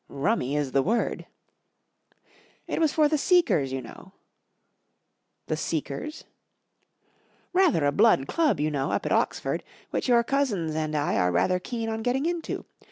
" Rummy is the word." 44 It was for The Seekers, you know ."" The Seekers ?"" Rather a blood club, you know, up at Oxford, which your cousins and I are rather keen on getting into.